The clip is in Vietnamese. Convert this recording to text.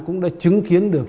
cũng đã chứng kiến được